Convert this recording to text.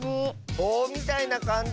ぼうみたいなかんじ？